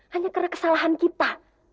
hanya karena kesalahan kita